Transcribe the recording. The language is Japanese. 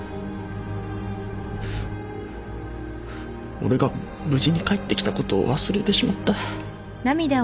俺が無事に帰ってきたことを忘れてしまった。